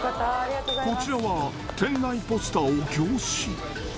こちらは、店内ポスターを凝視。